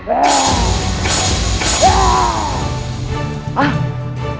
apa rencana tuan pak tiraga